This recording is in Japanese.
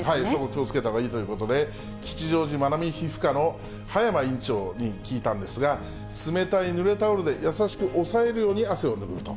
気をつけたほうがいいということで、吉祥寺まなみ皮フ科の葉山院長に聞いたんですが、冷たいぬれタオルで優しく押さえるように汗を拭うと。